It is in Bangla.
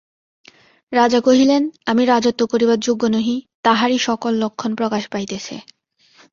রাজা কহিলেন, আমি রাজত্ব করিবার যোগ্য নহি, তাহারই সকল লক্ষণ প্রকাশ পাইতেছে।